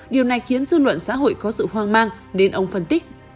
điều này khiến dư luận xã hội có sự hoang mang nên ông phân tích